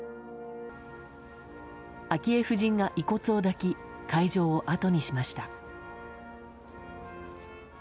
昭恵夫人が遺骨を抱き会場を後にしました。